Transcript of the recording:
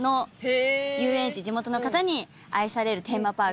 地元の方に愛されるテーマパーク。